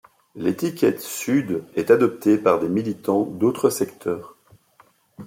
L'étiquette Sud est adoptée par des militants d'autres secteurs.